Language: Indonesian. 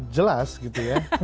jelas gitu ya